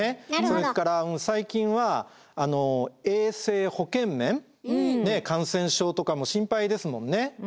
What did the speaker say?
それから最近は衛生保健面感染症とかも心配ですもんね。